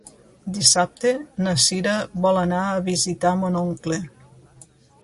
Dissabte na Sira vol anar a visitar mon oncle.